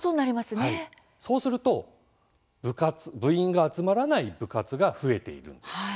そうすると部員が集まらない部活が増えているんです。